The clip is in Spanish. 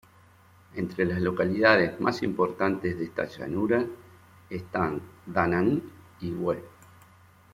Entre las localidades más importantes de esta llanura están Da Nang y Hue.